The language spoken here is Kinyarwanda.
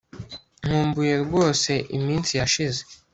Nkumbuye rwose iminsi yashize